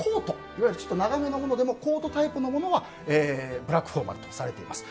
いわゆるちょっと長めのものでもコートタイプのものはブラックフォーマルとされています。